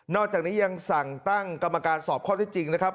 อกจากนี้ยังสั่งตั้งกรรมการสอบข้อที่จริงนะครับ